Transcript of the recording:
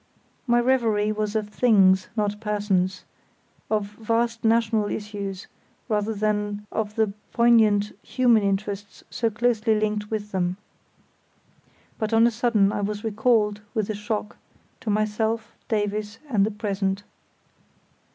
My reverie was of things, not persons; of vast national issues rather than of the poignant human interests so closely linked with them. But on a sudden I was recalled, with a shock, to myself, Davies, and the present.